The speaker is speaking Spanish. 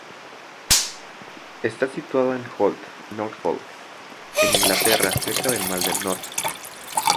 Está situada en Holt, Norfolk, en Inglaterra, cerca del mar del Norte.